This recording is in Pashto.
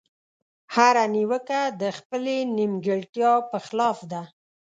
هره نيوکه د خپلې نيمګړتيا په خلاف ده.